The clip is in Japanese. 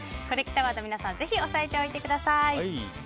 コレきたワード、皆さんぜひ押さえておいてください。